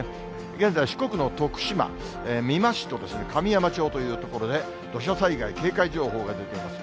現在、四国の徳島、美馬市と神山町という所で、土砂災害警戒情報が出ています。